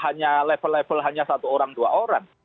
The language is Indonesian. hanya level level hanya satu orang dua orang